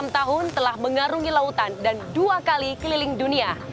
enam tahun telah mengarungi lautan dan dua kali keliling dunia